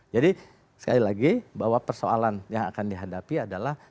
jadi sekali lagi bahwa persoalan yang akan dihadapi adalah